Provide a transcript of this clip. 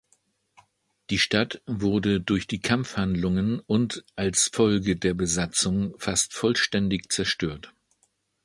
Die Stadt wurde durch die Kampfhandlungen und als Folge der Besatzung fast vollständig zerstört.